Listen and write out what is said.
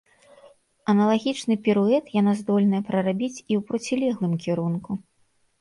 Аналагічны піруэт яна здольная прарабіць і ў процілеглым кірунку.